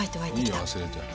いいよ忘れて。